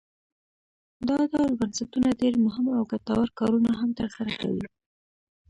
دا ډول بنسټونه ډیر مهم او ګټور کارونه هم تر سره کوي.